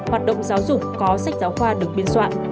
hoạt động giáo dục có sách giáo khoa được biên soạn